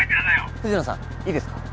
藤野さんいいですか？